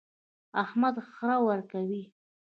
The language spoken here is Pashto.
احمد خړه ورکوي.